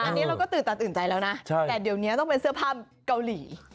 อันนี้เราก็ตื่นตาตื่นใจแล้วนะแต่เดี๋ยวนี้ต้องเป็นเสื้อผ้าเกาหลี